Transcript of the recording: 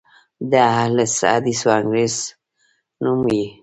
د اهل حدیث وانګریز نوم یې و.